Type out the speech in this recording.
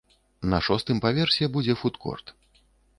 На шостым паверсе будзе фуд-корт.